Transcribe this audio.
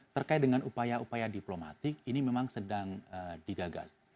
terkait dengan upaya upaya diplomatik ini memang sedang digagas